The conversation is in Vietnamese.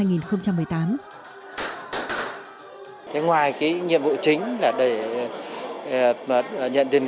ngoài nhiệm vụ chính là để nhận tiền kết